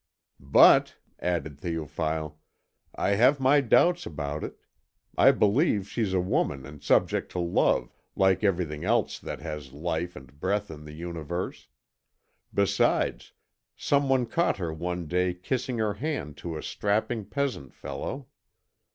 "But," added Théophile, "I have my doubts about it. I believe she's a woman and subject to love, like everything else that has life and breath in the Universe. Besides, someone caught her one day kissing her hand to a strapping peasant fellow."